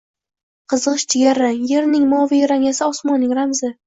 Qizg‘ish-jigarrang – yerning, moviy rang esa osmonning ramzi.